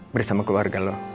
bersama keluarga lo